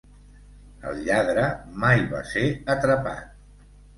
El lladre mai va ser atrapat.